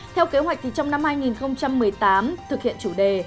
theo kế hoạch thì trong năm hai nghìn một mươi tám thực hiện chủ đề